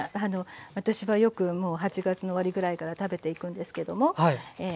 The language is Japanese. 私はよくもう８月の終わりぐらいから食べていくんですけども長芋を使います。